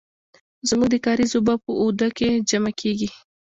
زمونږ د کاریز اوبه په آوده کې جمع کیږي.